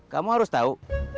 kamu harus tahu